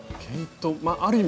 ある意味